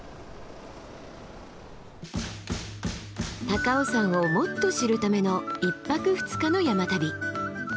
高尾山をもっと知るための１泊２日の山旅。